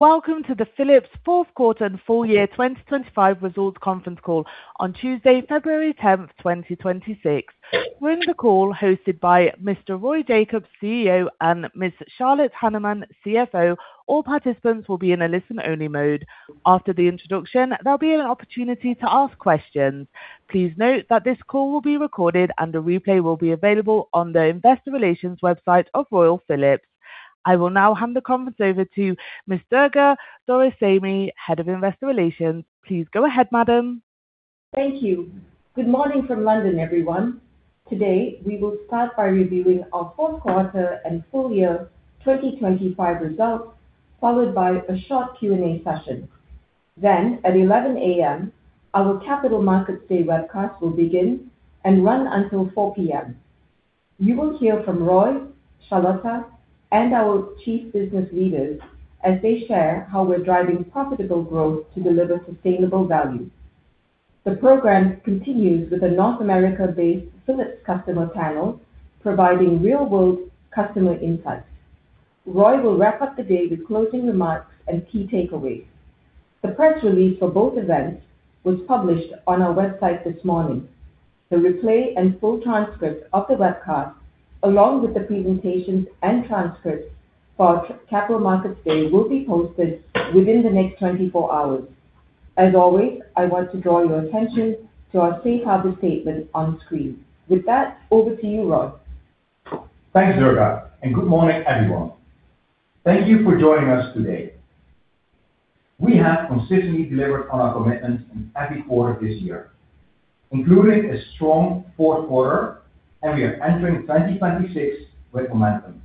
Welcome to the Philips Fourth Quarter and Full Year 2025 Results Conference Call on Tuesday, February 10, 2026. During the call hosted by Mr. Roy Jakobs, CEO, and Ms. Charlotte Hanneman, CFO, all participants will be in a listen-only mode. After the introduction, there'll be an opportunity to ask questions. Please note that this call will be recorded, and a replay will be available on the investor relations website of Royal Philips. I will now hand the conference over to Ms. Durga Doraisamy, Head of Investor Relations. Please go ahead, madam. Thank you. Good morning from London, everyone. Today, we will start by reviewing our Fourth Quarter and Full Year 2025 Results, followed by a short Q&A session. Then, at 11:00 A.M., our Capital Markets Day webcast will begin and run until 4:00 P.M. You will hear from Roy, Charlotte, and our Chief Business Leaders as they share how we're driving profitable growth to deliver sustainable value. The program continues with a North America-based Philips customer panel, providing real-world customer insights. Roy will wrap up the day with closing remarks and key takeaways. The press release for both events was published on our website this morning. The replay and full transcript of the webcast, along with the presentations and transcripts for our Capital Markets Day, will be posted within the next 24 hours. As always, I want to draw your attention to our safe harbor statement on screen. With that, over to you, Roy. Thanks, Durga, and good morning, everyone. Thank you for joining us today. We have consistently delivered on our commitments in every quarter this year, including a strong fourth quarter, and we are entering 2026 with momentum.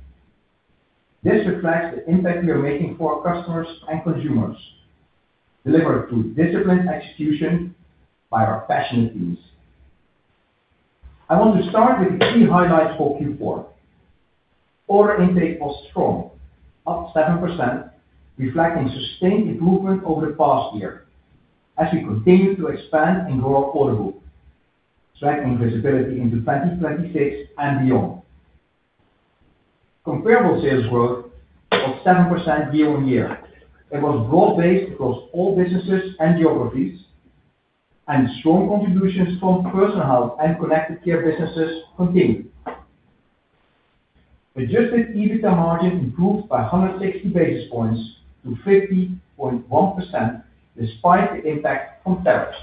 This reflects the impact we are making for our customers and consumers, delivered through disciplined execution by our passionate teams. I want to start with the key highlights for Q4. Order intake was strong, up 7%, reflecting sustained improvement over the past year as we continue to expand in our order book, strengthening visibility into 2026 and beyond. Comparable sales growth of 7% year-on-year. It was broad-based across all businesses and geographies, and strong contributions from personal health and connected care businesses continued. Adjusted EBITDA margin improved by 160 basis points to 50.1%, despite the impact from tariffs.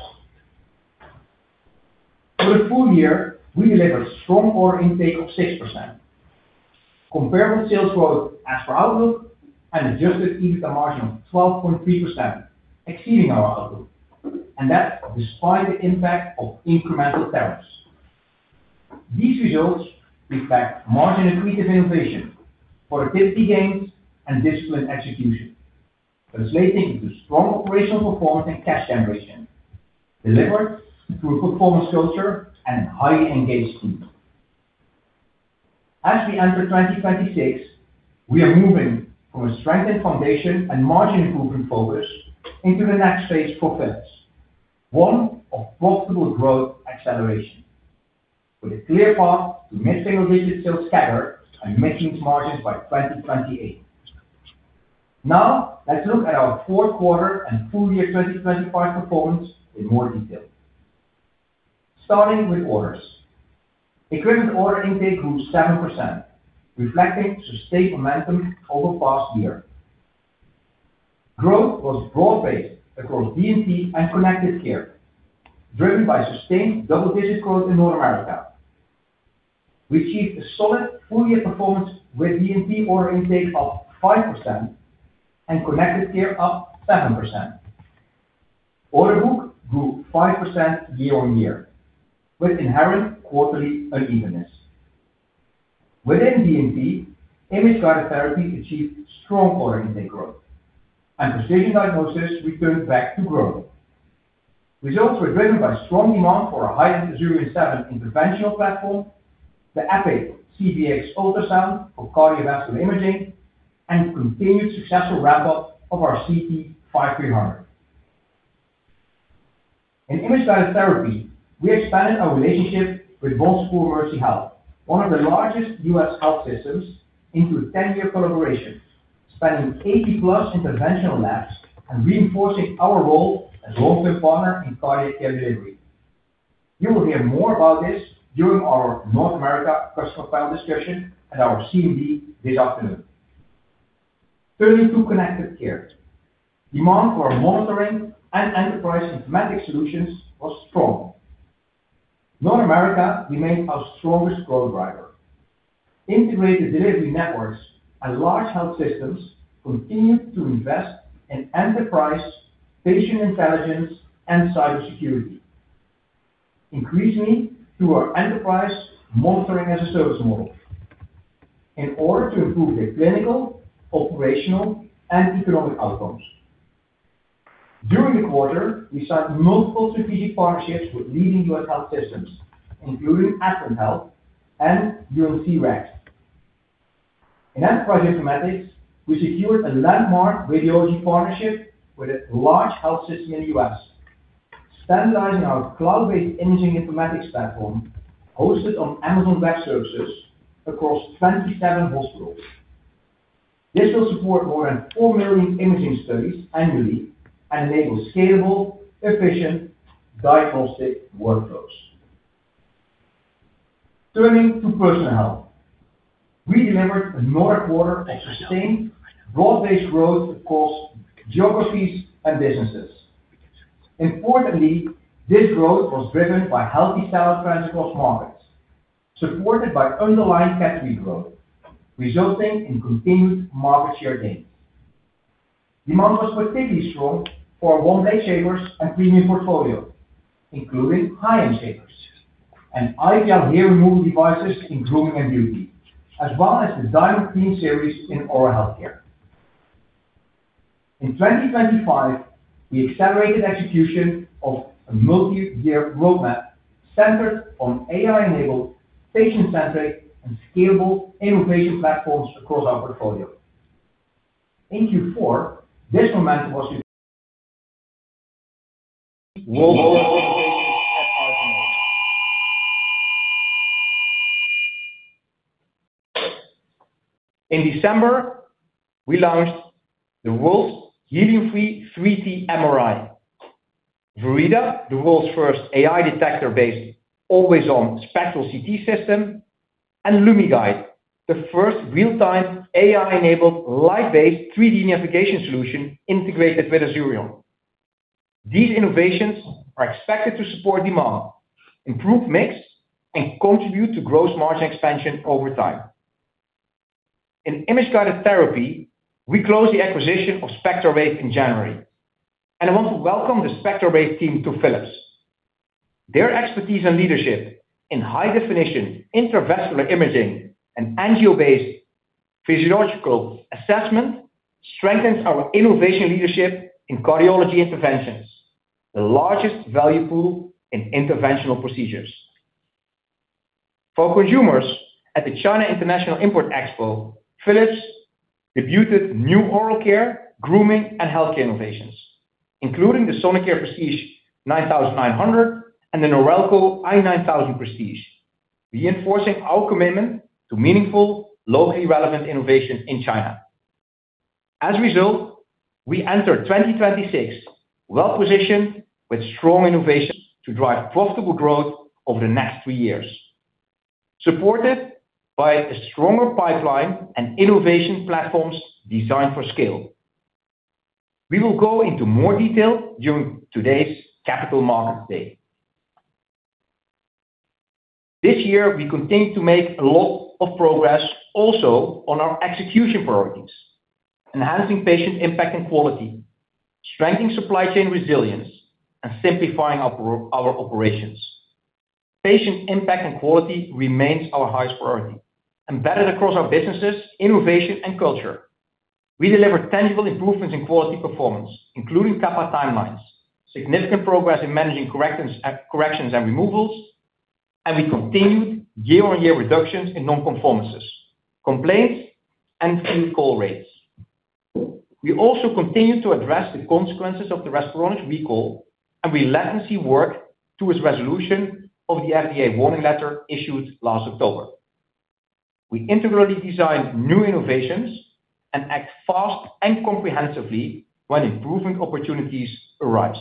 For the full year, we delivered strong order intake of 6%. Comparable sales growth as per outlook and adjusted EBITDA margin of 12.3%, exceeding our outlook, and that despite the impact of incremental tariffs. These results reflect margin-accretive innovation, productivity gains, and disciplined execution, translating into strong operational performance and cash generation, delivered through a performance culture and highly engaged team. As we enter 2026, we are moving from a strengthened foundation and margin improvement focus into the next phase for Philips, one of profitable growth acceleration, with a clear path to mid-single-digit sales CAGR and mid-teens margins by 2028. Now, let's look at our fourth quarter and full year 2025 performance in more detail. Starting with orders. Equipment order intake grew 7%, reflecting sustained momentum over the past year. Growth was broad-based across D&P and Connected Care, driven by sustained double-digit growth in North America. We achieved a solid full-year performance with D&P order intake up 5% and Connected Care up 7%. Order book grew 5% year-on-year, with inherent quarterly unevenness. Within D&P, Image-Guided Therapy achieved strong order intake growth, and Precision Diagnosis returned back to growth. Results were driven by strong demand for our high-end Azurion 7 interventional platform, the EPIQ CVx ultrasound for cardiovascular imaging, and continued successful ramp-up of our CT 5300. In Image-Guided Therapy, we expanded our relationship with Mercy Health, one of the largest U.S. health systems, into a 10-year collaboration, spanning 80+ interventional labs and reinforcing our role as long-term partner in cardiac care delivery. You will hear more about this during our North America customer panel discussion and our CMD this afternoon. Turning to Connected Care. Demand for our monitoring and enterprise informatics solutions was strong. North America remained our strongest growth driver. Integrated delivery networks and large health systems continued to invest in enterprise, patient intelligence, and cybersecurity, increasingly through our Enterprise Monitoring as a Service model, in order to improve their clinical, operational, and economic outcomes. During the quarter, we signed multiple strategic partnerships with leading US health systems, including Atrium Health and UNC Rex. In enterprise informatics, we secured a landmark radiology partnership with a large health system in the US. Standardizing our cloud-based imaging informatics platform, hosted on Amazon Web Services across 27 hospitals. This will support more than 4 million imaging studies annually and enable scalable, efficient diagnostic workflows. Turning to personal health, we delivered another quarter of sustained broad-based growth across geographies and businesses. Importantly, this growth was driven by healthy sales trends across markets, supported by underlying category growth, resulting in continued market share gains. Demand was particularly strong for our OneBlade and premium portfolio, including high-end shavers and IPL hair removal devices in grooming and beauty, as well as the DiamondClean series in oral healthcare. In 2025, we accelerated execution of a multi-year roadmap centered on AI-enabled, patient-centric, and scalable innovation platforms across our portfolio. In Q4, this momentum was world innovations at heart and home. In December, we launched the world's helium-free 3T MRI. 7500, the world's first AI detector based always-on spectral CT system, and LumiGuide, the first real-time AI-enabled light-based 3D navigation solution integrated with Azurion. These innovations are expected to support demand, improve mix, and contribute to gross margin expansion over time. In Image-Guided Therapy, we closed the acquisition of SpectraWave in January, and I want to welcome the SpectraWave team to Philips. Their expertise and leadership in high definition, intravascular imaging, and angio-based physiological assessment strengthens our innovation leadership in cardiology interventions, the largest value pool in interventional procedures. For consumers at the China International Import Expo, Philips debuted new oral care, grooming, and healthcare innovations, including the Philips Sonicare Prestige 9900 and the Philips Norelco Shaver 9000 Prestige, reinforcing our commitment to meaningful, locally relevant innovation in China. As a result, we enter 2026 well-positioned with strong innovations to drive profitable growth over the next three years, supported by a stronger pipeline and innovation platforms designed for scale. We will go into more detail during today's Capital Market Day. This year, we continued to make a lot of progress also on our execution priorities, enhancing patient impact and quality, strengthening supply chain resilience, and simplifying our operations. Patient impact and quality remains our highest priority, embedded across our businesses, innovation, and culture. We delivered tangible improvements in quality performance, including CAPA timelines, significant progress in managing correctness, corrections and removals, and we continued year-on-year reductions in non-conformances, complaints, and field call rates. We also continued to address the consequences of the Respironics recall, and we led the work to its resolution of the FDA warning letter issued last October. We integrally design new innovations and act fast and comprehensively when improvement opportunities arise.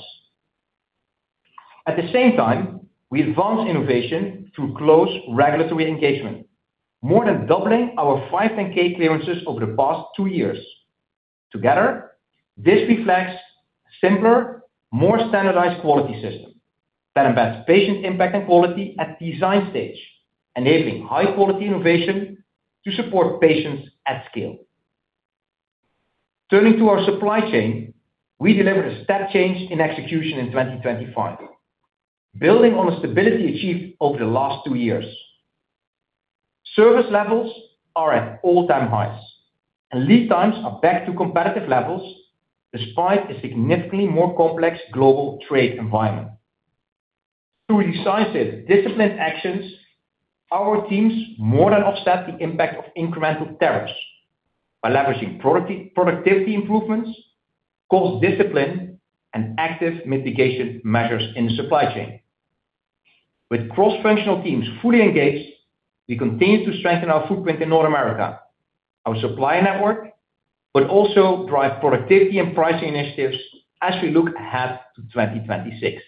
At the same time, we advance innovation through close regulatory engagement, more than doubling our 510(k) clearances over the past two years. Together, this reflects simpler, more standardized quality system that embeds patient impact and quality at design stage, enabling high-quality innovation to support patients at scale. Turning to our supply chain, we delivered a step change in execution in 2025, building on the stability achieved over the last two years. Service levels are at all-time highs, and lead times are back to competitive levels, despite a significantly more complex global trade environment. Through decisive, disciplined actions, our teams more than offset the impact of incremental tariffs by leveraging productivity, productivity improvements, cost discipline, and active mitigation measures in the supply chain. With cross-functional teams fully engaged, we continue to strengthen our footprint in North America, our supplier network, but also drive productivity and pricing initiatives as we look ahead to 2026.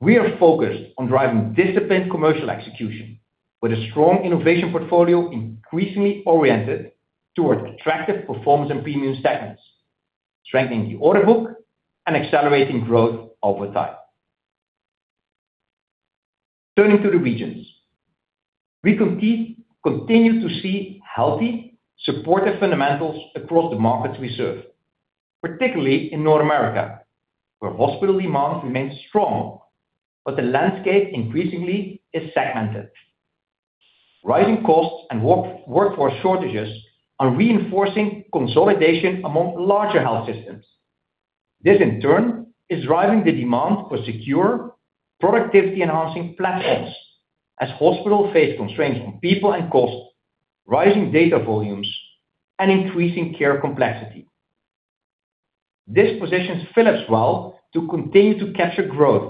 We are focused on driving disciplined commercial execution with a strong innovation portfolio, increasingly oriented toward attractive performance and premium segments, strengthening the order book and accelerating growth over time. Turning to the regions, we continue to see healthy, supportive fundamentals across the markets we serve, particularly in North America, where hospital demand remains strong, but the landscape increasingly is segmented. Rising costs and work, workforce shortages are reinforcing consolidation among larger health systems. This, in turn, is driving the demand for secure, productivity-enhancing platforms as hospitals face constraints on people and cost... rising data volumes, and increasing care complexity. This positions Philips well to continue to capture growth,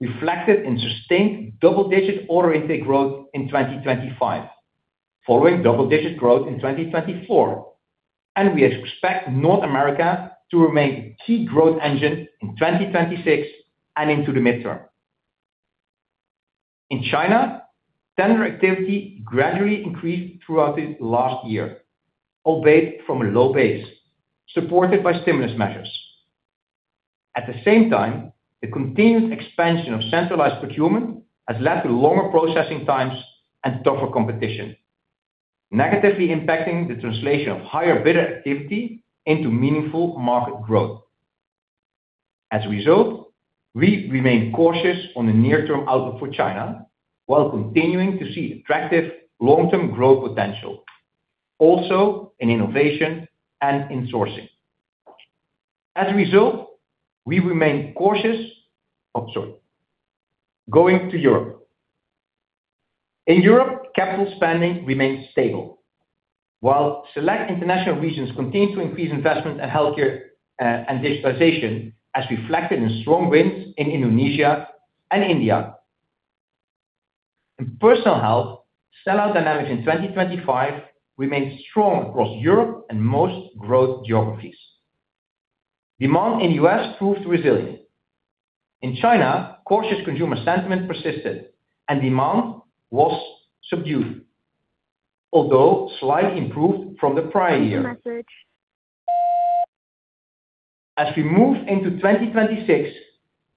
reflected in sustained double-digit order intake growth in 2025, following double-digit growth in 2024, and we expect North America to remain a key growth engine in 2026 and into the midterm. In China, tender activity gradually increased throughout the last year, albeit from a low base, supported by stimulus measures. At the same time, the continued expansion of centralized procurement has led to longer processing times and tougher competition, negatively impacting the translation of higher bidder activity into meaningful market growth. As a result, we remain cautious on the near-term outlook for China, while continuing to see attractive long-term growth potential, also in innovation and in sourcing. Oh, sorry. Going to Europe. In Europe, capital spending remains stable, while select international regions continue to increase investment in healthcare, and digitization, as reflected in strong wins in Indonesia and India. In personal health, sell-out dynamics in 2025 remained strong across Europe and most growth geographies. Demand in U.S. proved resilient. In China, cautious consumer sentiment persisted, and demand was subdued, although slightly improved from the prior year. As we move into 2026,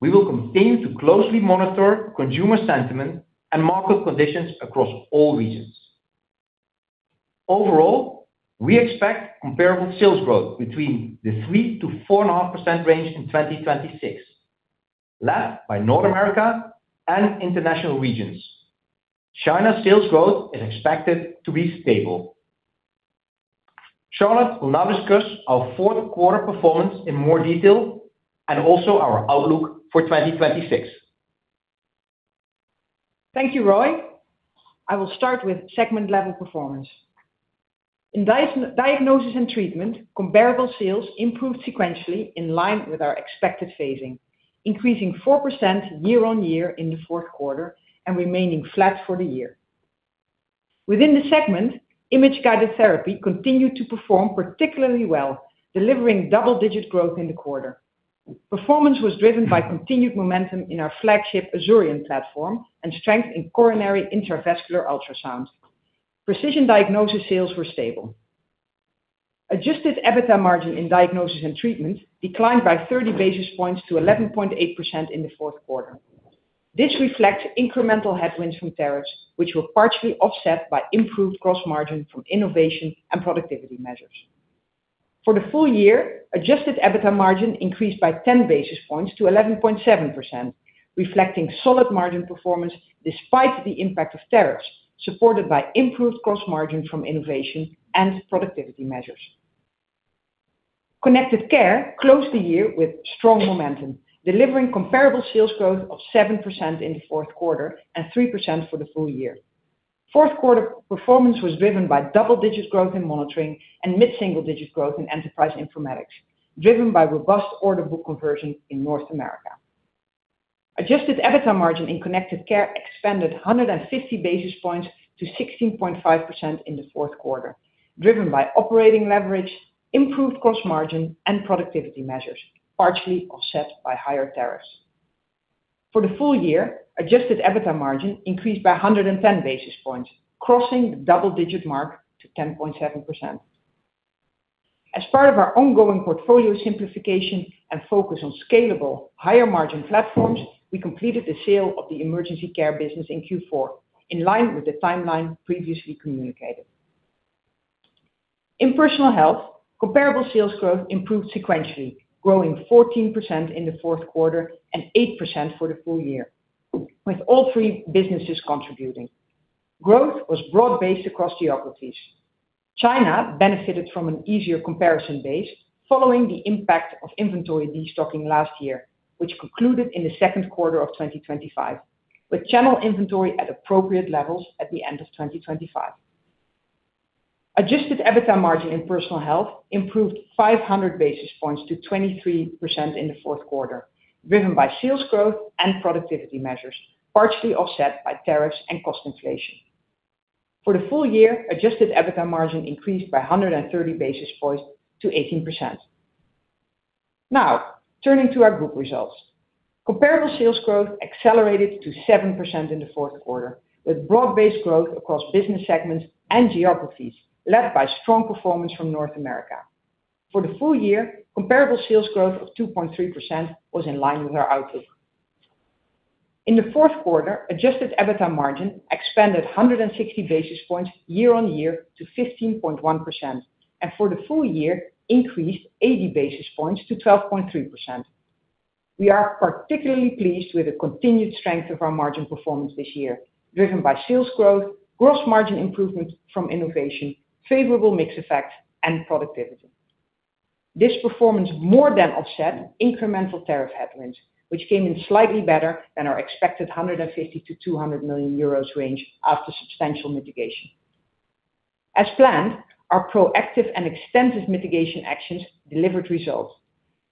we will continue to closely monitor consumer sentiment and market conditions across all regions. Overall, we expect comparable sales growth between 3%-4.5% in 2026, led by North America and international regions. China's sales growth is expected to be stable. Charlotte will now discuss our fourth quarter performance in more detail and also our outlook for 2026. Thank you, Roy. I will start with segment-level performance. In Diagnosis and Treatment, comparable sales improved sequentially in line with our expected phasing, increasing 4% year-on-year in the fourth quarter and remaining flat for the year. Within the segment, Image-Guided Therapy continued to perform particularly well, delivering double-digit growth in the quarter. Performance was driven by continued momentum in our flagship Azurion platform and strength in coronary intravascular ultrasound. Precision Diagnosis sales were stable. Adjusted EBITDA margin in Diagnosis and Treatment declined by 30 basis points to 11.8% in the fourth quarter. This reflects incremental headwinds from tariffs, which were partially offset by improved gross margin from innovation and productivity measures. For the full year, adjusted EBITDA margin increased by 10 basis points to 11.7%, reflecting solid margin performance despite the impact of tariffs, supported by improved gross margin from innovation and productivity measures. Connected Care closed the year with strong momentum, delivering comparable sales growth of 7% in the fourth quarter and 3% for the full year. Fourth quarter performance was driven by double-digit growth in monitoring and mid-single-digit growth in enterprise informatics, driven by robust order book conversion in North America. Adjusted EBITDA margin in Connected Care expanded 150 basis points to 16.5% in the fourth quarter, driven by operating leverage, improved cost margin, and productivity measures, partially offset by higher tariffs. For the full year, adjusted EBITDA margin increased by 110 basis points, crossing the double-digit mark to 10.7%. As part of our ongoing portfolio simplification and focus on scalable, higher-margin platforms, we completed the sale of the emergency care business in Q4, in line with the timeline previously communicated. In personal health, comparable sales growth improved sequentially, growing 14% in the fourth quarter and 8% for the full year, with all three businesses contributing. Growth was broad-based across geographies. China benefited from an easier comparison base following the impact of inventory destocking last year, which concluded in the second quarter of 2025, with channel inventory at appropriate levels at the end of 2025. Adjusted EBITDA margin in personal health improved 500 basis points to 23% in the fourth quarter, driven by sales growth and productivity measures, partially offset by tariffs and cost inflation. For the full year, adjusted EBITDA margin increased by 130 basis points to 18%. Now, turning to our group results. Comparable sales growth accelerated to 7% in the fourth quarter, with broad-based growth across business segments and geographies, led by strong performance from North America. For the full year, comparable sales growth of 2.3% was in line with our outlook. In the fourth quarter, adjusted EBITDA margin expanded 160 basis points year-on-year to 15.1%, and for the full year, increased 80 basis points to 12.3%. We are particularly pleased with the continued strength of our margin performance this year, driven by sales growth, gross margin improvement from innovation, favorable mix effects, and productivity. This performance more than offset incremental tariff headwinds, which came in slightly better than our expected 150 million to 200 million euros range after substantial mitigation. As planned, our proactive and extensive mitigation actions delivered results,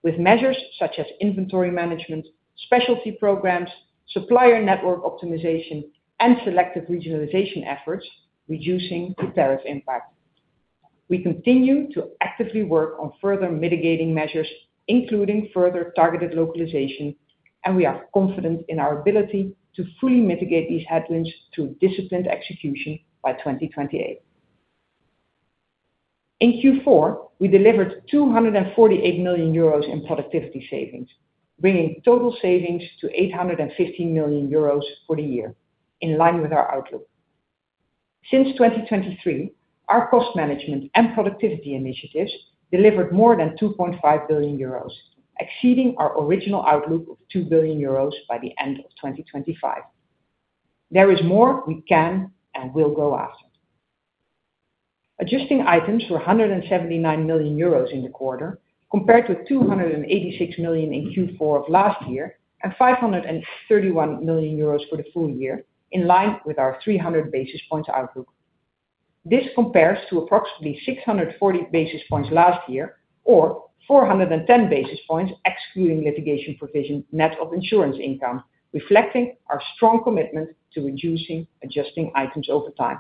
with measures such as inventory management, specialty programs, supplier network optimization, and selective regionalization efforts, reducing the tariff impact. We continue to actively work on further mitigating measures, including further targeted localization, and we are confident in our ability to fully mitigate these headwinds through disciplined execution by 2028. In Q4, we delivered 248 million euros in productivity savings, bringing total savings to 850 million euros for the year, in line with our outlook. Since 2023, our cost management and productivity initiatives delivered more than 2.5 billion euros, exceeding our original outlook of 2 billion euros by the end of 2025. There is more we can and will go after. Adjusting items were 179 million euros in the quarter, compared to 286 million in Q4 of last year, and 531 million euros for the full year, in line with our 300 basis points outlook. This compares to approximately 640 basis points last year, or 410 basis points, excluding litigation provision, net of insurance income, reflecting our strong commitment to reducing adjusting items over time.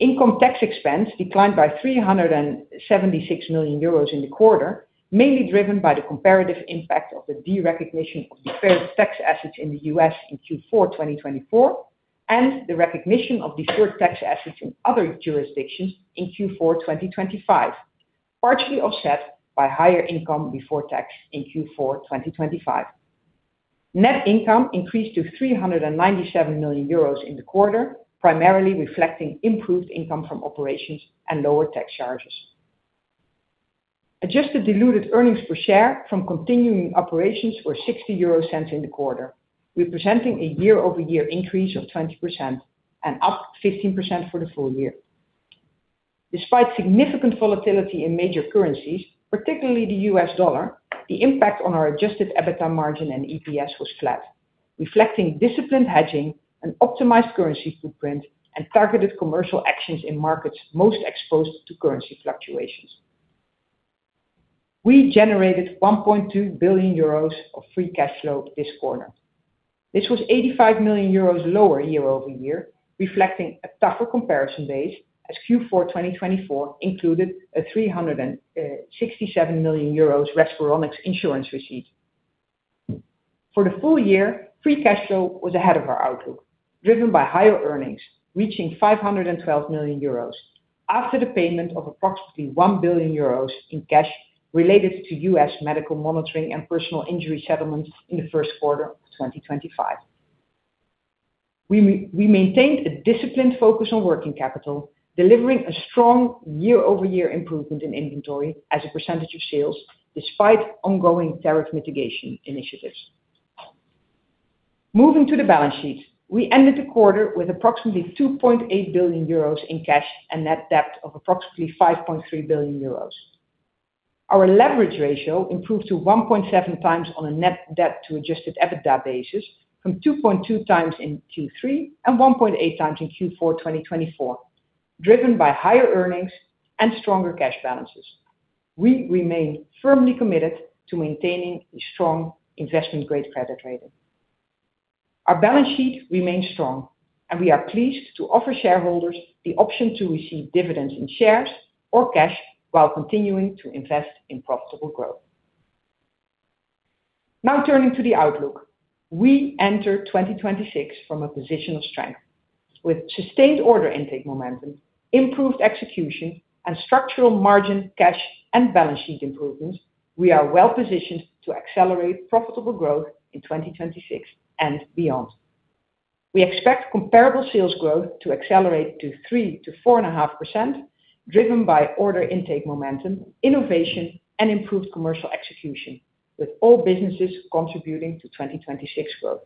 Income tax expense declined by 376 million euros in the quarter, mainly driven by the comparative impact of the derecognition of deferred tax assets in the U.S. in Q4, 2024, and the recognition of deferred tax assets in other jurisdictions in Q4, 2025, partially offset by higher income before tax in Q4, 2025. Net income increased to 397 million euros in the quarter, primarily reflecting improved income from operations and lower tax charges. Adjusted diluted earnings per share from continuing operations were 0.60 EUR in the quarter, representing a year-over-year increase of 20% and up 15% for the full year. Despite significant volatility in major currencies, particularly the US dollar, the impact on our adjusted EBITDA margin and EPS was flat, reflecting disciplined hedging and optimized currency footprint and targeted commercial actions in markets most exposed to currency fluctuations. We generated 1.2 billion euros of free cash flow this quarter. This was 85 million euros lower year over year, reflecting a tougher comparison base, as Q4 2024 included a 367 million euros Respironics insurance receipt. For the full year, free cash flow was ahead of our outlook, driven by higher earnings, reaching 512 million euros after the payment of approximately 1 billion euros in cash related to U.S. medical monitoring and personal injury settlements in the first quarter of 2025. We maintained a disciplined focus on working capital, delivering a strong year-over-year improvement in inventory as a percentage of sales, despite ongoing tariff mitigation initiatives. Moving to the balance sheet, we ended the quarter with approximately 2.8 billion euros in cash and net debt of approximately 5.3 billion euros. Our leverage ratio improved to 1.7x on a net debt to adjusted EBITDA basis, from 2.2x in Q3 and 1.8x in Q4, 2024, driven by higher earnings and stronger cash balances. We remain firmly committed to maintaining a strong investment-grade credit rating. Our balance sheet remains strong, and we are pleased to offer shareholders the option to receive dividends in shares or cash while continuing to invest in profitable growth. Now, turning to the outlook. We enter 2026 from a position of strength. With sustained order intake momentum, improved execution, and structural margin, cash, and balance sheet improvements, we are well positioned to accelerate profitable growth in 2026 and beyond. We expect comparable sales growth to accelerate to 3%-4.5%, driven by order intake momentum, innovation, and improved commercial execution, with all businesses contributing to 2026 growth.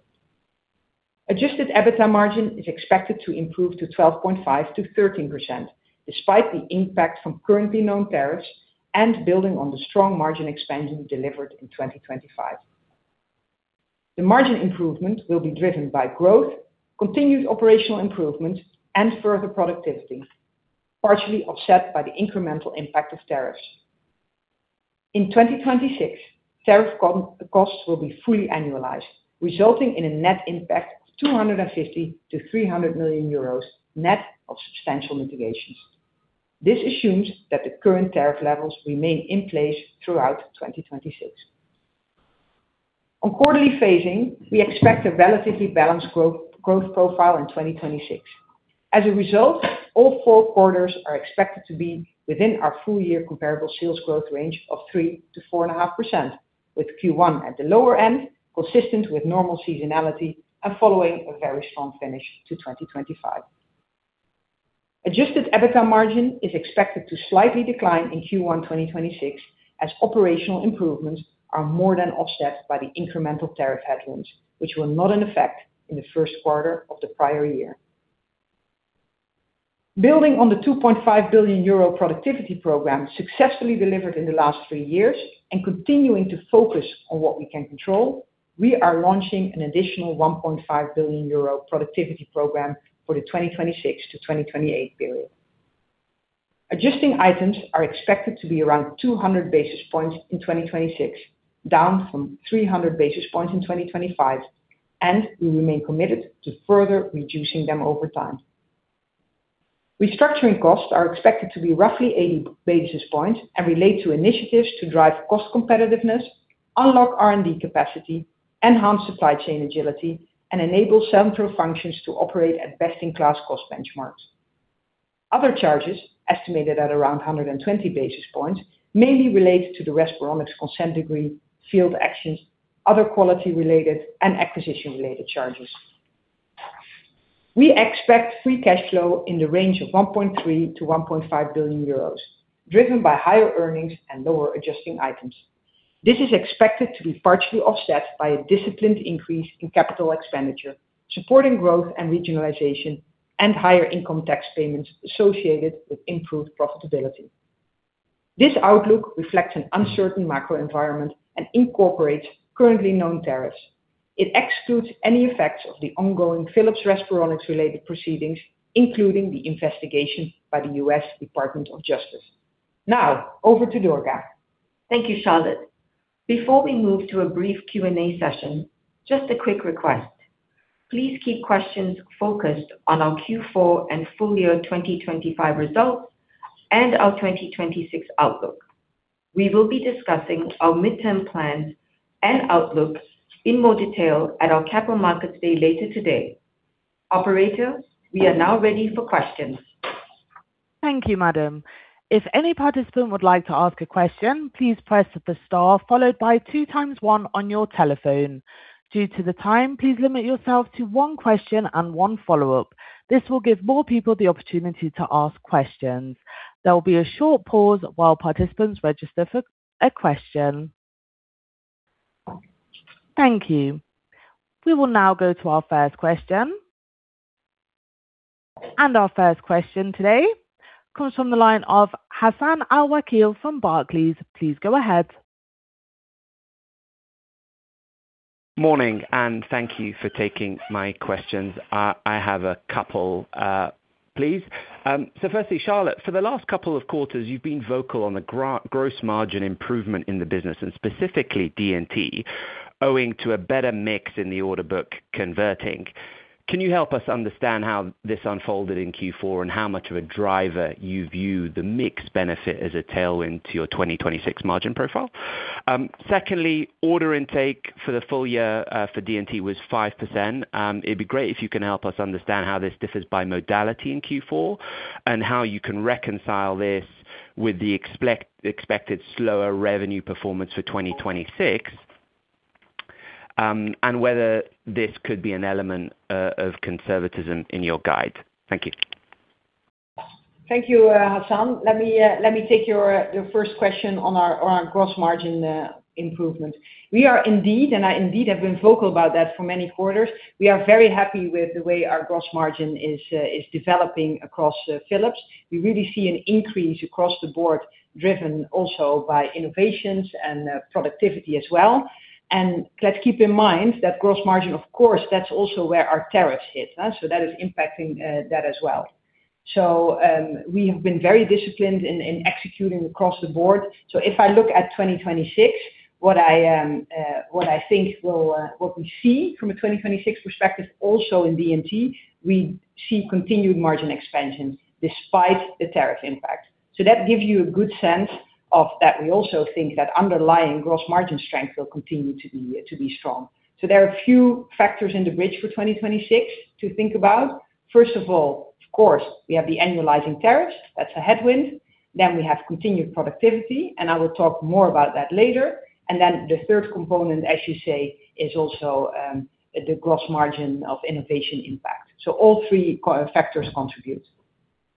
Adjusted EBITDA margin is expected to improve to 12.5%-13%, despite the impact from currently known tariffs and building on the strong margin expansion delivered in 2025. The margin improvement will be driven by growth, continued operational improvements, and further productivity, partially offset by the incremental impact of tariffs. In 2026, tariff costs will be fully annualized, resulting in a net impact of 250 million to 300 million euros, net of substantial mitigations. This assumes that the current tariff levels remain in place throughout 2026. On quarterly phasing, we expect a relatively balanced growth, growth profile in 2026. As a result, all four quarters are expected to be within our full-year comparable sales growth range of 3%-4.5%, with Q1 at the lower end, consistent with normal seasonality and following a very strong finish to 2025. Adjusted EBITDA margin is expected to slightly decline in Q1 2026, as operational improvements are more than offset by the incremental tariff headwinds, which were not in effect in the first quarter of the prior year. Building on the 2.5 billion euro productivity program successfully delivered in the last three years and continuing to focus on what we can control, we are launching an additional 1.5 billion euro productivity program for the 2026-2028 period. Adjusting items are expected to be around 200 basis points in 2026, down from 300 basis points in 2025, and we remain committed to further reducing them over time. Restructuring costs are expected to be roughly 80 basis points and relate to initiatives to drive cost competitiveness, unlock R&D capacity, enhance supply chain agility, and enable central functions to operate at best-in-class cost benchmarks. Other charges, estimated at around 120 basis points, mainly related to the Respironics Consent Decree, field actions, other quality-related and acquisition-related charges. We expect free cash flow in the range of 1.3 billion-1.5 billion euros, driven by higher earnings and lower adjusting items. This is expected to be partially offset by a disciplined increase in capital expenditure, supporting growth and regionalization and higher income tax payments associated with improved profitability. This outlook reflects an uncertain macro environment and incorporates currently known tariffs. It excludes any effects of the ongoing Philips Respironics-related proceedings, including the investigation by the U.S. Department of Justice. Now, over to Durga. Thank you, Charlotte. Before we move to a brief Q&A session, just a quick request. Please keep questions focused on our Q4 and full-year 2025 results and our 2026 outlook. We will be discussing our midterm plans and outlook in more detail at our Capital Markets Day later today. Operator, we are now ready for questions. Thank you, madam. If any participant would like to ask a question, please press the star followed by two plus one on your telephone. Due to the time, please limit yourself to one question and one follow-up. This will give more people the opportunity to ask questions. There will be a short pause while participants register for a question. Thank you. We will now go to our first question. Our first question today comes from the line of Hassan Al-Wakeel from Barclays. Please go ahead. Morning, and thank you for taking my questions. I have a couple, please. So firstly, Charlotte, for the last couple of quarters, you've been vocal on the gross margin improvement in the business and specifically D&T, owing to a better mix in the order book converting. Can you help us understand how this unfolded in Q4, and how much of a driver you view the mix benefit as a tailwind to your 2026 margin profile? Secondly, order intake for the full year, for D&T was 5%. It'd be great if you can help us understand how this differs by modality in Q4, and how you can reconcile this with the expected slower revenue performance for 2026, and whether this could be an element of conservatism in your guide. Thank you. Thank you, Hassan. Let me take your first question on our gross margin improvement. We are indeed, and I indeed have been vocal about that for many quarters. We are very happy with the way our gross margin is developing across Philips. We really see an increase across the board, driven also by innovations and productivity as well. And let's keep in mind that gross margin, of course, that's also where our tariffs hit, so that is impacting that as well. So we have been very disciplined in executing across the board. So if I look at 2026, what we see from a 2026 perspective, also in D&T, we see continued margin expansion despite the tariff impact. So that gives you a good sense of that. We also think that underlying gross margin strength will continue to be, to be strong. So there are a few factors in the bridge for 2026 to think about. First of all, of course, we have the annualizing tariffs. That's a headwind. Then we have continued productivity, and I will talk more about that later. And then the third component, as you say, is also, the gross margin of innovation impact. So all three factors contribute.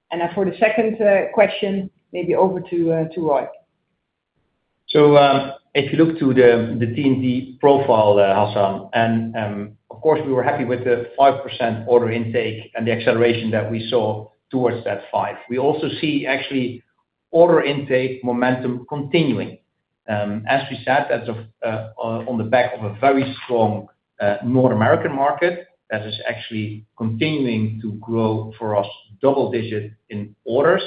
And, for the second, question, maybe over to, to Roy. So, if you look to the D&T profile, Hassan, and, of course, we were happy with the 5% order intake and the acceleration that we saw towards that 5. We also see actually order intake momentum continuing. As we said, that's on the back of a very strong North American market that is actually continuing to grow for us double-digit in orders.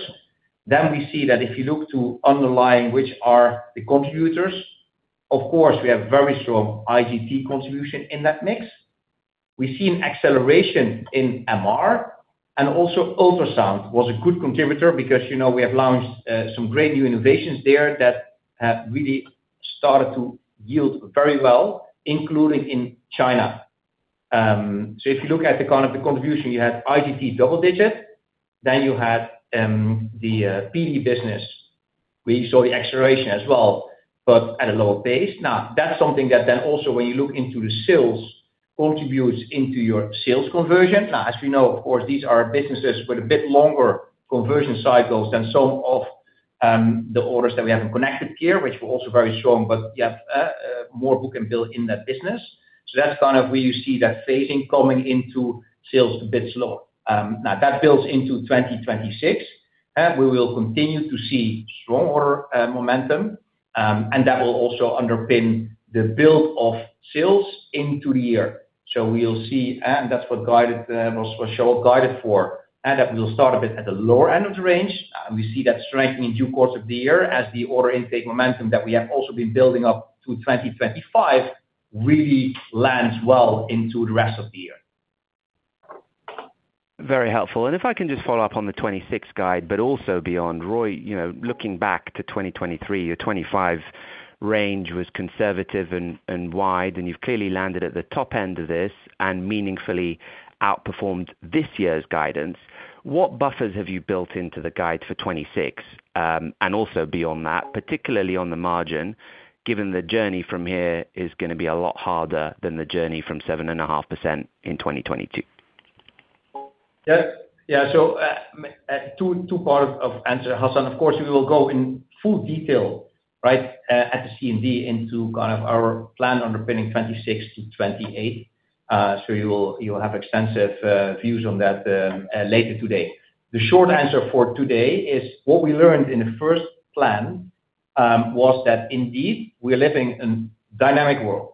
Then we see that if you look to underlying, which are the contributors, of course, we have very strong IGT contribution in that mix. We see an acceleration in MR, and also ultrasound was a good contributor because, you know, we have launched some great new innovations there that have really started to yield very well, including in China. So if you look at the kind of the contribution, you have IGT double digit, then you have the PD business, we saw the acceleration as well, but at a lower pace. Now, that's something that then also when you look into the sales, contributes into your sales conversion. Now, as we know, of course, these are businesses with a bit longer conversion cycles than some of the orders that we have in Connected Care, which were also very strong, but you have more book and build in that business. So that's kind of where you see that phasing coming into sales a bit slower. Now that builds into 2026, and we will continue to see strong order momentum, and that will also underpin the build of sales into the year. So we'll see, and that's what guided, also what Shaw guided for, and that we will start a bit at the lower end of the range. And we see that strengthening due course of the year as the order intake momentum that we have also been building up to 2025 really lands well into the rest of the year. Very helpful. If I can just follow up on the 2026 guide, but also beyond. Roy, you know, looking back to 2023, your 2025 range was conservative and wide, and you've clearly landed at the top end of this and meaningfully outperformed this year's guidance. What buffers have you built into the guide for 2026, and also beyond that, particularly on the margin, given the journey from here is gonna be a lot harder than the journey from 7.5% in 2022? Yeah. Yeah, so, two-part answer, Hassan. Of course, we will go in full detail, right, at the C&D into kind of our plan underpinning 2026-2028. So you'll have extensive views on that, later today. The short answer for today is what we learned in the first plan was that indeed, we are living in dynamic world.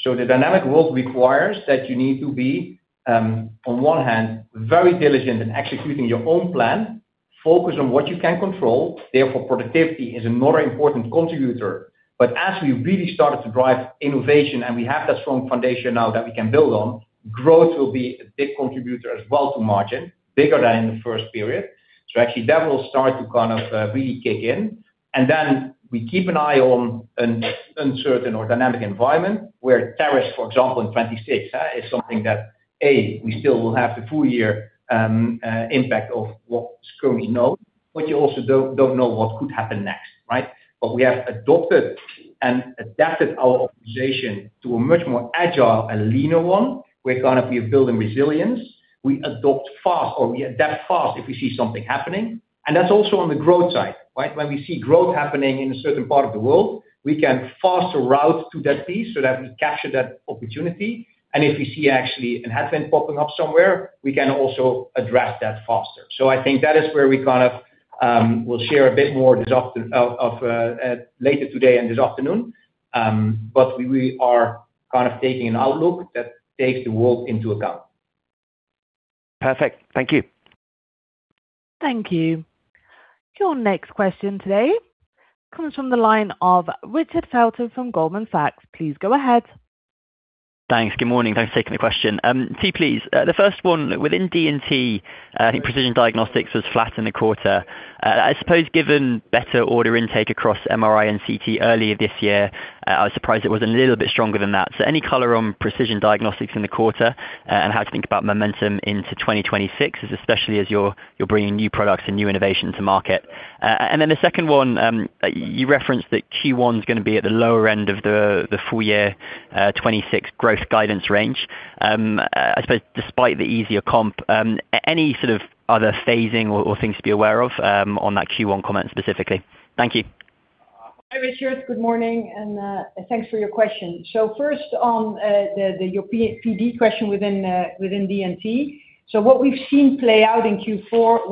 So the dynamic world requires that you need to be, on one hand, very diligent in executing your own plan, focus on what you can control, therefore, productivity is a more important contributor. But as we really started to drive innovation, and we have that strong foundation now that we can build on, growth will be a big contributor as well to margin, bigger than in the first period. So actually, that will start to kind of really kick in, and then we keep an eye on an uncertain or dynamic environment, where tariffs, for example, in 2026, is something that, A, we still will have the full year impact of what currently know, but you also don't know what could happen next, right? But we have adopted and adapted our organization to a much more agile and leaner one, where kind of we are building resilience. We adopt fast or we adapt fast if we see something happening, and that's also on the growth side, right? When we see growth happening in a certain part of the world, we can faster route to that piece so that we capture that opportunity, and if we see actually an event popping up somewhere, we can also address that faster. So I think that is where we kind of will share a bit more later today and this afternoon. But we are kind of taking an outlook that takes the world into account. Perfect. Thank you. Thank you. Your next question today comes from the line of Richard Felton from Goldman Sachs. Please go ahead. Thanks. Good morning. Thanks for taking the question. Two please. The first one, within D&T, I think Precision Diagnosis was flat in the quarter. I suppose given better order intake across MRI and CT earlier this year, I was surprised it was a little bit stronger than that. So any color on Precision Diagnosis in the quarter, and how to think about momentum into 2026, especially as you're bringing new products and new innovation to market? And then the second one, you referenced that Q1 is gonna be at the lower end of the full year 2026 growth guidance range. I suppose despite the easier comp, any sort of other phasing or things to be aware of, on that Q1 comment specifically? Thank you. Hi, Richard. Good morning, and thanks for your question. So first on your PD question within D&T. What we've seen play out in Q4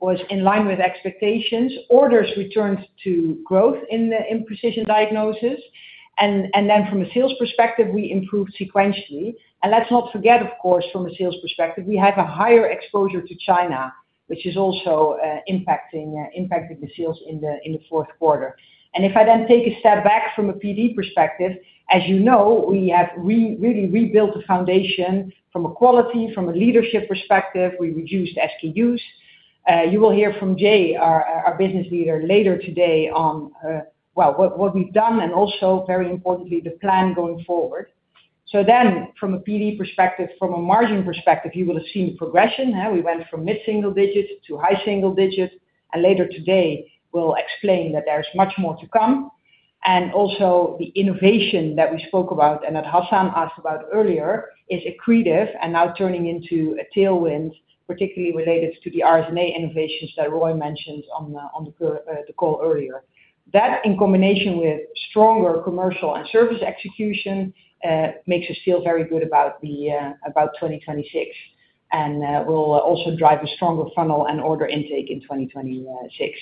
was in line with expectations. Orders returned to growth in Precision Diagnosis, and then from a sales perspective, we improved sequentially. Let's not forget, of course, from a sales perspective, we have a higher exposure to China, which is also impacting the sales in the fourth quarter. If I then take a step back from a PD perspective, as you know, we have really rebuilt the foundation from a quality, from a leadership perspective. We reduced SKUs. You will hear from Jay, our business leader, later today on well what we've done and also, very importantly, the plan going forward. So then from a PD perspective, from a margin perspective, you will have seen progression, huh? We went from mid-single digits to high single digits, and later today, we'll explain that there's much more to come. And also the innovation that we spoke about and that Hassan asked about earlier is accretive and now turning into a tailwind, particularly related to the RNA innovations that Roy mentioned on the call earlier. That, in combination with stronger commercial and service execution, makes us feel very good about 2026, and will also drive a stronger funnel and order intake in 2026.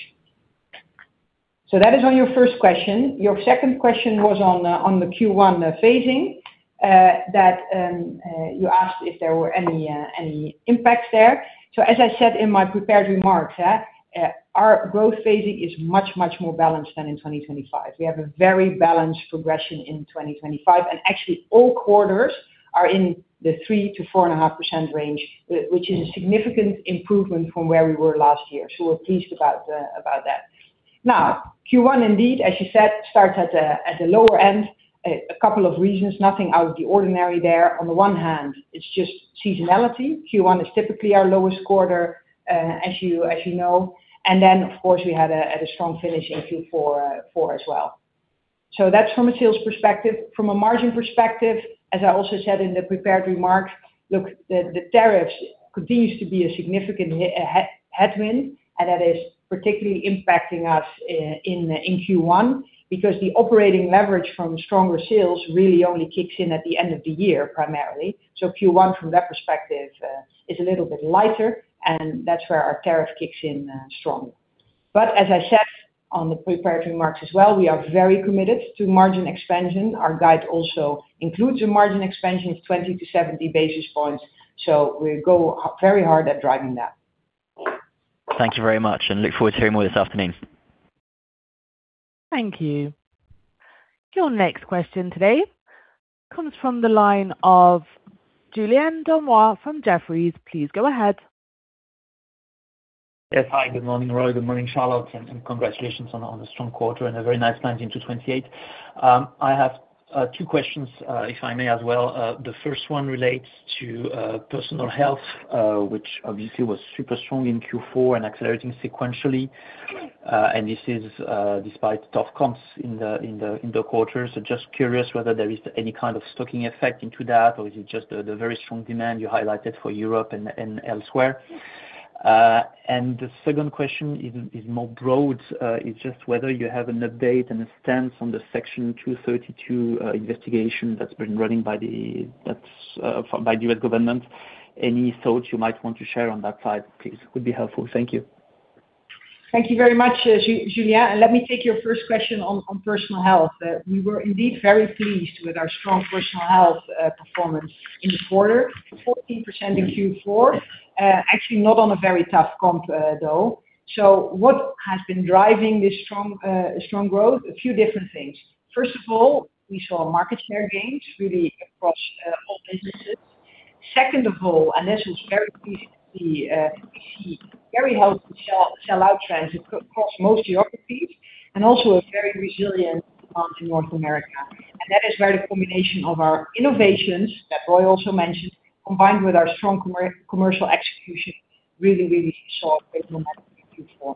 So that is on your first question. Your second question was on the Q1 phasing that you asked if there were any impacts there. As I said in my prepared remarks, our growth phasing is much, much more balanced than in 2025. We have a very balanced progression in 2025, and actually all quarters are in the 3%-4.5% range, which is a significant improvement from where we were last year. We're pleased about that. Now, Q1, indeed, as you said, starts at the lower end. A couple of reasons, nothing out of the ordinary there. On the one hand, it's just seasonality. Q1 is typically our lowest quarter, as you know, and then, of course, we had a strong finish in Q4 as well. That's from a sales perspective. From a margin perspective, as I also said in the prepared remarks, look, the tariffs continues to be a significant headwind, and that is particularly impacting us in Q1, because the operating leverage from stronger sales really only kicks in at the end of the year, primarily. So Q1, from that perspective, is a little bit lighter, and that's where our tariff kicks in strongly. But as I said on the prepared remarks as well, we are very committed to margin expansion. Our guide also includes a margin expansion of 20-70 basis points, so we go very hard at driving that. Thank you very much, and look forward to hearing more this afternoon. Thank you. Your next question today comes from the line of Julien Dormois from Jefferies. Please go ahead. Yes. Hi, good morning, Roy, good morning, Charlotte, and congratulations on a strong quarter and a very nice landing to 28. I have two questions, if I may, as well. The first one relates to personal health, which obviously was super strong in Q4 and accelerating sequentially. And this is despite tough comps in the quarter. So just curious whether there is any kind of stocking effect into that, or is it just the very strong demand you highlighted for Europe and elsewhere? And the second question is more broad. It's just whether you have an update and a stance on the Section 232 investigation that's been running by the US government. Any thoughts you might want to share on that side, please, would be helpful. Thank you. Thank you very much, Julien. And let me take your first question on personal health. We were indeed very pleased with our strong personal health performance in the quarter, 14% in Q4. Actually, not on a very tough comp, though. So what has been driving this strong growth? A few different things. First of all, we saw market share gains really across all businesses. Second of all, and this is very pleasing to see, we see very healthy sell-out trends across most geographies, and also a very resilient launch in North America. And that is where the combination of our innovations, that Roy also mentioned, combined with our strong commercial execution, really saw great momentum in Q4.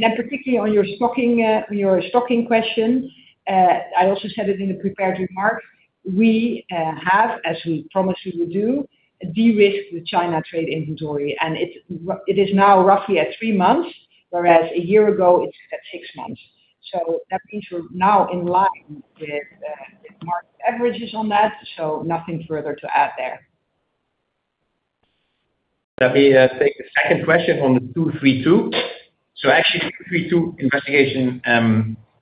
Then particularly on your stocking, your stocking question, I also said it in the prepared remarks. We have, as we promised we would do, de-risked the China trade inventory, and it is now roughly at 3 months, whereas a year ago it was at 6 months. So that means we're now in line with market averages on that, so nothing further to add there. Let me take the second question on the Section 232. So actually, Section 232 investigation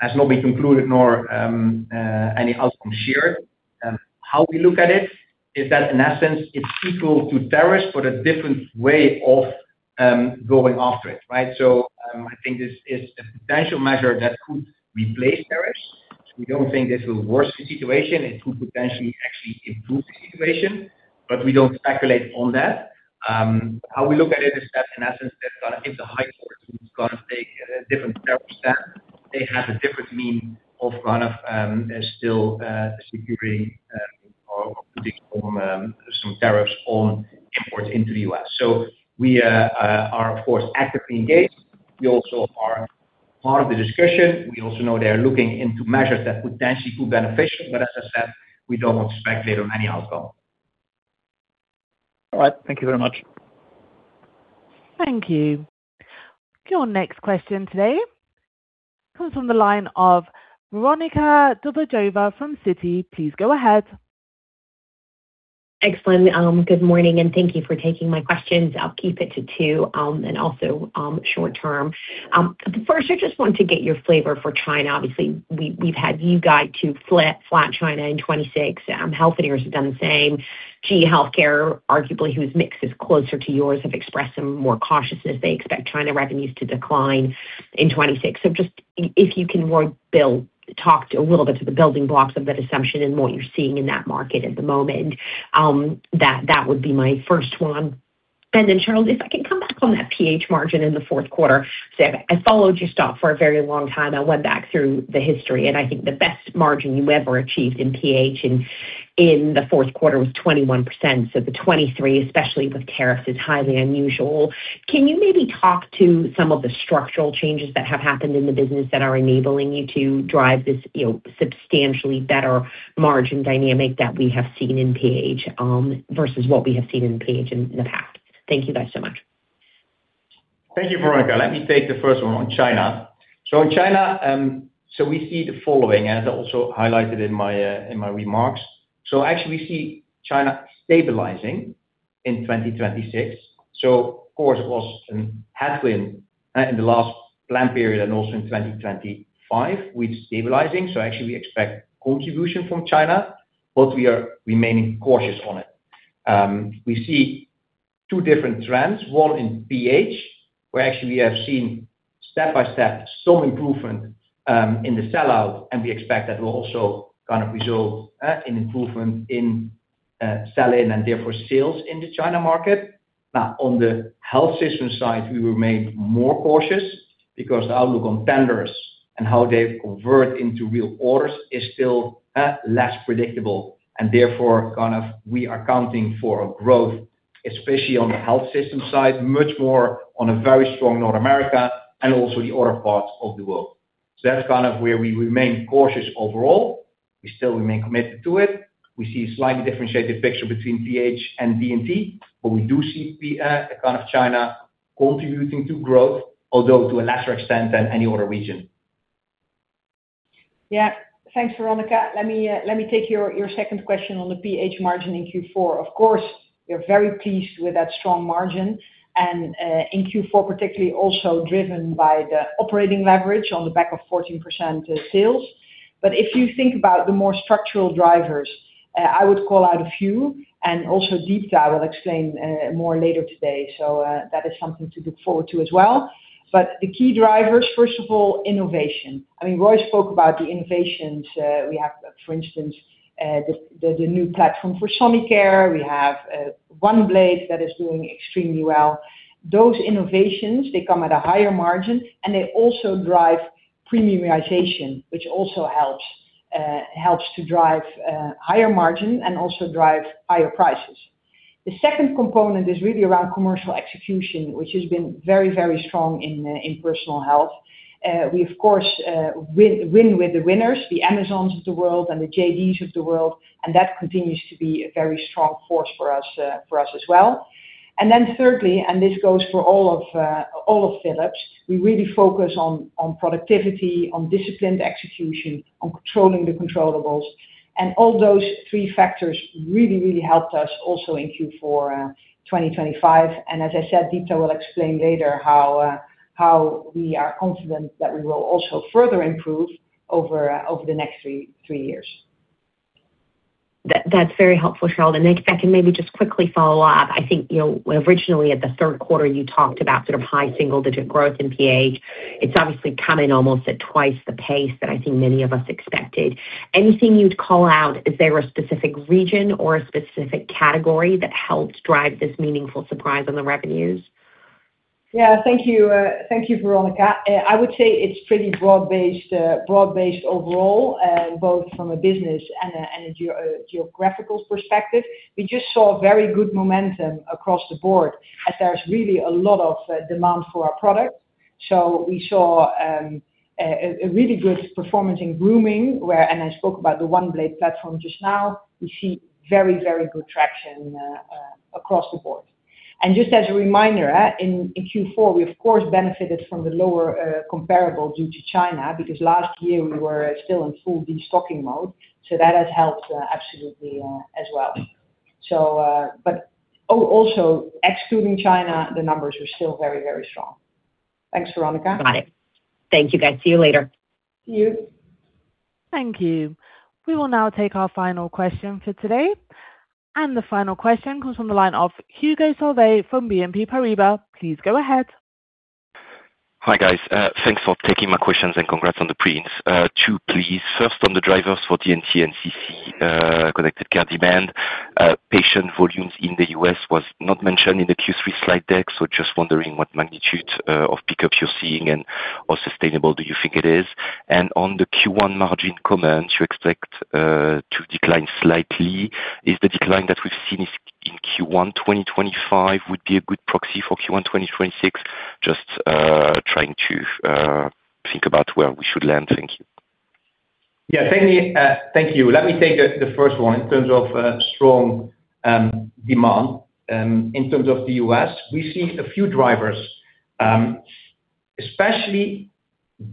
has not been concluded, nor any outcome shared. How we look at it is that in essence, it's equal to tariffs, but a different way of going after it, right? So I think this is a potential measure that could replace tariffs. So we don't think this will worsen the situation. It could potentially actually improve the situation, but we don't speculate on that. How we look at it is that, in essence, they've got to hit the high court, who's gonna take a different tariff stand. They have a different mean of kind of still securing or putting from some tariffs on imports into the U.S. So we are, of course, actively engaged. We also are part of the discussion. We also know they are looking into measures that potentially could be beneficial, but as I said, we don't want to speculate on any outcome. All right. Thank you very much. Thank you. Your next question today comes from the line of Veronika Dubajova from Citi. Please go ahead. Excellent. Good morning, and thank you for taking my questions. I'll keep it to 2, and also, short term. First, I just want to get your flavor for China. Obviously, we, we've had you guide to flat, flat China in 2026. Siemens Healthineers has done the same. GE HealthCare, arguably whose mix is closer to yours, have expressed some more cautious as they expect China revenues to decline in 2026. So just if you can more build, talk to a little bit to the building blocks of that assumption and what you're seeing in that market at the moment, that would be my first one. And then, Charlotte, if I can come back on that PH margin in the fourth quarter. So I've followed your stock for a very long time. I went back through the history, and I think the best margin you ever achieved in PH in the fourth quarter was 21%. So the 23%, especially with tariffs, is highly unusual. Can you maybe talk to some of the structural changes that have happened in the business that are enabling you to drive this, you know, substantially better margin dynamic that we have seen in PH versus what we have seen in PH in the past? Thank you guys so much. Thank you, Veronika. Let me take the first one on China. So in China, so we see the following, as I also highlighted in my, in my remarks. So actually we see China stabilizing in 2026. So of course, it was a headwind in the last plan period and also in 2025, with stabilizing. So actually we expect contribution from China, but we are remaining cautious on it. We see two different trends, one in PH, where actually we have seen step by step some improvement in the sell-out, and we expect that will also kind of result in improvement in sell-in and therefore sales in the China market. Now, on the health system side, we remain more cautious because the outlook on tenders and how they convert into real orders is still less predictable, and therefore, kind of, we are accounting for a growth especially on the health system side, much more on a very strong North America and also the other parts of the world. So that's kind of where we remain cautious overall. We still remain committed to it. We see a slightly differentiated picture between PH and D&T, but we do see the kind of China contributing to growth, although to a lesser extent than any other region. Yeah. Thanks, Veronika. Let me take your second question on the PH margin in Q4. Of course, we are very pleased with that strong margin, and in Q4, particularly also driven by the operating leverage on the back of 14% sales. But if you think about the more structural drivers, I would call out a few, and also Deepa will explain more later today. So, that is something to look forward to as well. But the key drivers, first of all, innovation. I mean, Roy spoke about the innovations we have, for instance, the new platform for Sonicare. We have OneBlade that is doing extremely well. Those innovations, they come at a higher margin, and they also drive premiumization, which also helps to drive higher margin and also drives higher prices. The second component is really around commercial execution, which has been very, very strong in personal health. We, of course, win, win with the winners, the Amazons of the world and the JDs of the world, and that continues to be a very strong force for us as well. And then thirdly, and this goes for all of Philips, we really focus on productivity, on disciplined execution, on controlling the controllables. And all those three factors really, really helped us also in Q4 2025. And as I said, Deepa will explain later how we are confident that we will also further improve over the next three years. That's very helpful, Charlotte. And if I can maybe just quickly follow up. I think, you know, originally at the third quarter, you talked about sort of high single-digit growth in PH. It's obviously come in almost at twice the pace that I think many of us expected. Anything you'd call out, is there a specific region or a specific category that helped drive this meaningful surprise on the revenues? Yeah. Thank you, thank you, Veronika. I would say it's pretty broad-based, broad-based overall, both from a business and a geographical perspective. We just saw very good momentum across the board, as there's really a lot of demand for our products. So we saw a really good performance in grooming, and I spoke about the OneBlade platform just now. We see very, very good traction across the board. And just as a reminder, in Q4, we of course benefited from the lower comparable due to China, because last year we were still in full destocking mode. So that has helped absolutely, as well. So, but also, excluding China, the numbers are still very, very strong. Thanks, Veronica. Got it. Thank you, guys. See you later. See you. Thank you. We will now take our final question for today, and the final question comes from the line of Hugo Solvet from BNP Paribas. Please go ahead. Hi, guys. Thanks for taking my questions and congrats on the prints. Two, please. First, on the drivers for D&T and CC, Connected Care demand, patient volumes in the U.S. was not mentioned in the Q3 slide deck, so just wondering what magnitude of pickups you're seeing and how sustainable do you think it is? And on the Q1 margin comment, you expect to decline slightly. Is the decline that we've seen is in Q1 2025 would be a good proxy for Q1 2026? Just trying to think about where we should land. Thank you. Yeah, thank me. Thank you. Let me take the first one in terms of strong demand. In terms of the U.S., we see a few drivers, especially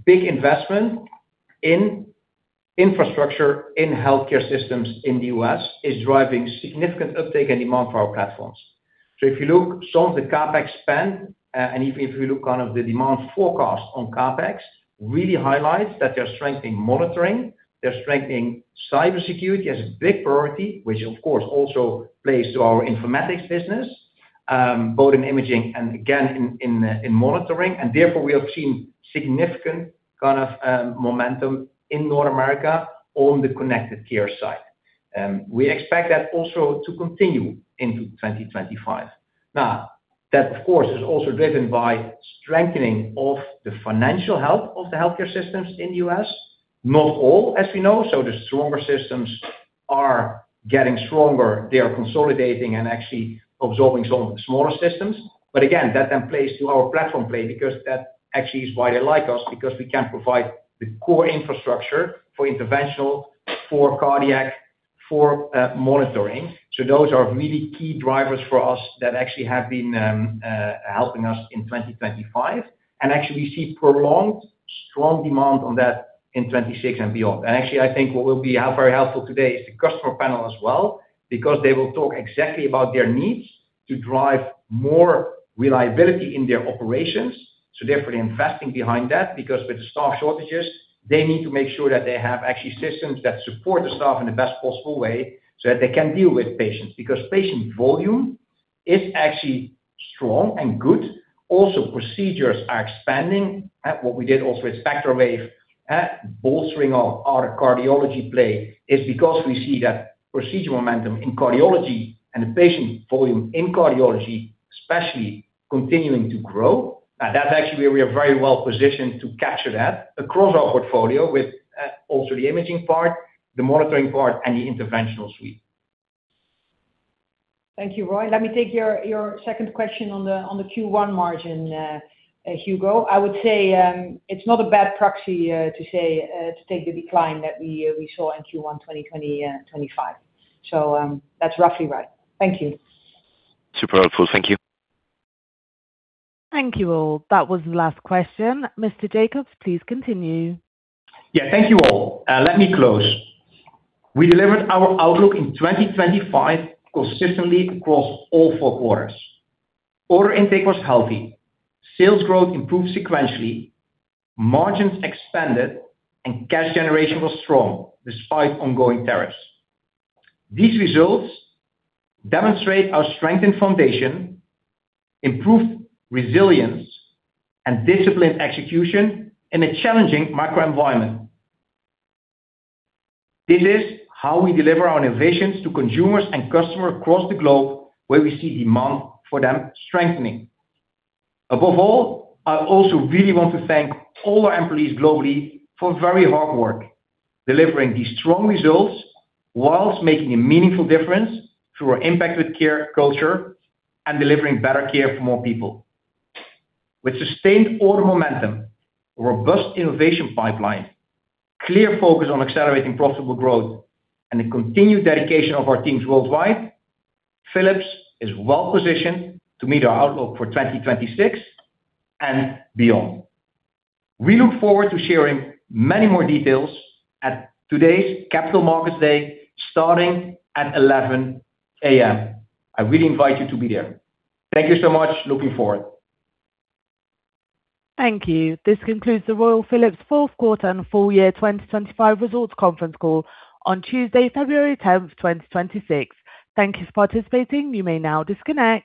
big investment in infrastructure, in healthcare systems in the U.S., is driving significant uptake and demand for our platforms. So if you look, some of the CapEx spend, and even if you look kind of the demand forecast on CapEx, really highlights that they're strengthening monitoring, they're strengthening cybersecurity as a big priority, which of course also plays to our informatics business, both in imaging and again, in monitoring. And therefore, we have seen significant kind of momentum in North America on the Connected Care side. We expect that also to continue into 2025. Now, that, of course, is also driven by strengthening of the financial health of the healthcare systems in the U.S. Not all, as we know, so the stronger systems are getting stronger. They are consolidating and actually absorbing some of the smaller systems. But again, that then plays to our platform play, because that actually is why they like us, because we can provide the core infrastructure for interventional, for cardiac, for monitoring. So those are really key drivers for us that actually have been helping us in 2025, and actually we see prolonged strong demand on that in 2026 and beyond. And actually, I think what will be very helpful today is the customer panel as well, because they will talk exactly about their needs to drive more reliability in their operations. So they're pretty investing behind that, because with the staff shortages, they need to make sure that they have actually systems that support the staff in the best possible way, so that they can deal with patients. Because patient volume is actually strong and good. Also, procedures are expanding, what we did also with SpectraWave, bolstering our, our cardiology play is because we see that procedural momentum in cardiology and the patient volume in cardiology, especially continuing to grow. That's actually where we are very well positioned to capture that across our portfolio with. Also the imaging part, the monitoring part, and the interventional suite. Thank you, Roy. Let me take your second question on the Q1 margin, Hugo. I would say, it's not a bad proxy to say to take the decline that we saw in Q1 2020, 25. So, that's roughly right. Thank you. Super helpful. Thank you. Thank you, all. That was the last question. Mr. Jakobs, please continue. Yeah, thank you, all. Let me close. We delivered our outlook in 2025 consistently across all four quarters. Order intake was healthy, sales growth improved sequentially, margins expanded, and cash generation was strong despite ongoing tariffs. These results demonstrate our strengthened foundation, improved resilience, and disciplined execution in a challenging macro environment. This is how we deliver our innovations to consumers and customers across the globe, where we see demand for them strengthening. Above all, I also really want to thank all our employees globally for very hard work, delivering these strong results while making a meaningful difference through our Impact with Care, culture, and delivering better care for more people. With sustained order momentum, a robust innovation pipeline, clear focus on accelerating profitable growth, and the continued dedication of our teams worldwide, Philips is well positioned to meet our outlook for 2026 and beyond. We look forward to sharing many more details at today's Capital Markets Day, starting at 11:00 A.M. I really invite you to be there. Thank you so much. Looking forward. Thank you. This concludes the Royal Philips fourth quarter and full year 2025 results conference call on Tuesday, February 10th, 2026. Thank you for participating. You may now disconnect.